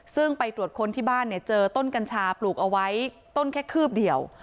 ซึ่งไปตรวจค้นที่บ้านเนี่ยเจอต้นกัญชาปลูกเอาไว้ต้นแค่คืบเดียว